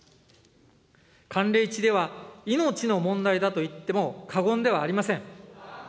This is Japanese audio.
寒冷地では命の問題だと言っても過言ではありません。